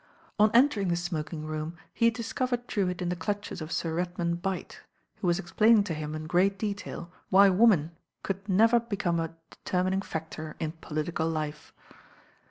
On entering the smoking room he discovered Drewitt in the clutches of Sir Redman Bight, who was ex plaining to him in great detail why woman could never become a determining factor in political life.